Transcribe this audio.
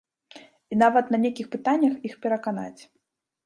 І нават на нейкіх пытаннях іх пераканаць.